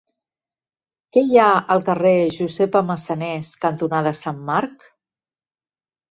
Què hi ha al carrer Josepa Massanés cantonada Sant Marc?